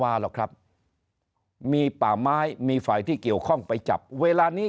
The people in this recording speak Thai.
หรอกครับมีป่าไม้มีฝ่ายที่เกี่ยวข้องไปจับเวลานี้